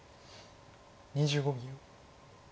２５秒。